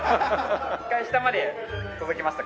一回下まで届きましたか？